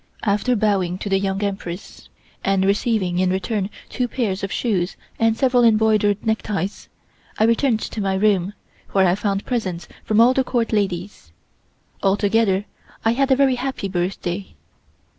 After bowing to the Young Empress and receiving in return two pairs of shoes and several embroidered neckties, I returned to my room, where I found presents from all the Court ladies. Altogether I had a very happy birthday.